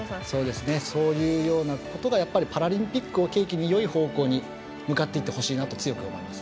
そういうようなことがパラリンピックを契機にいい方向に向かってほしいと強く思います。